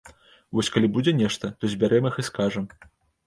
Вось калі будзе нешта, то збярэм іх і скажам!